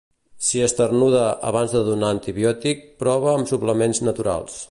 Si esternuda, abans de donar antibiòtic, prova amb suplements naturals.